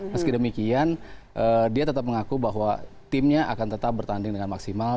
meski demikian dia tetap mengaku bahwa timnya akan tetap bertanding dengan maksimal